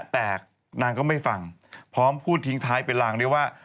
แต่นางก็ไม่ฟังพร้อมพูดทิ้งท้ายเป็นรางด้วยว่า